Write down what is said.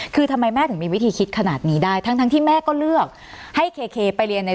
คือทำไมแม่ถึงมีวิธีคิดขนาดนี้ได้ทั้งที่แม่ก็เลือกให้เคไปเรียนใน